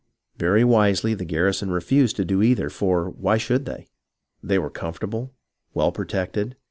Very wisely the garrison refused to do either, for why should they ? They were comfortable, well protected.